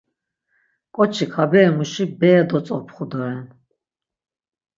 Ǩoçik ha bere muşi bere dotzopxu doren.